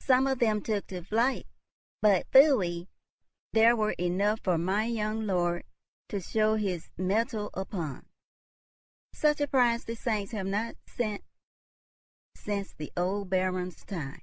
Some of them took to flight, but, pfui, there were enough for my young lord to show his mettle upon. Such a prize the saints have not sent since the old Baron's time."